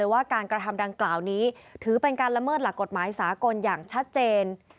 ว่าการกระทำดังกล่าวนี้ถือเป็นการละเมิดหลักกฎหมายสากลอย่างชัดเจน